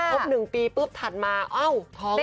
ครบหนึ่งปีปุ๊บถัดมาเอ้าท้องเลย